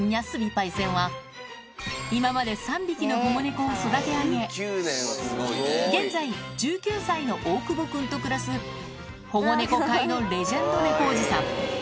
パイセンは、今まで３匹の保護猫を育て上げ、現在、１９歳の大久保くんと暮らす保護猫界のレジェンド猫おじさん。